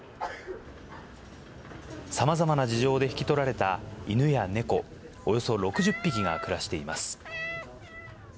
さまざまな事情で引き取られた犬や猫、およそ６０匹が暮らしています。